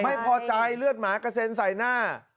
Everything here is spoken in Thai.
ไม่พอใจเลือดหมากระเซ็นใส่หน้า